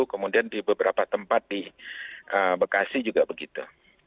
kemudian di beberapa tempat di bekasi juga begitu